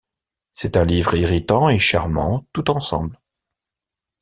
C’est un livre irritant et charmant tout ensemble.